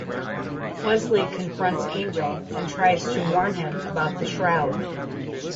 Wesley confronts Angel and tries to warn him about the shroud.